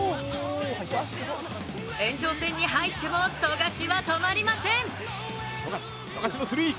延長戦に入っても富樫は止まりません。